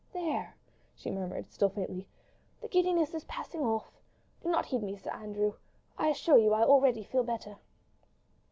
"There!" she murmured, still faintly; "the giddiness is passing off. ... Do not heed me, Sir Andrew; I assure you I already feel better."